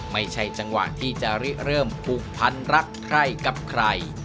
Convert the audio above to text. ไม่ใช่จังหวะที่จะเริ่มผูกพันรักใครกับใคร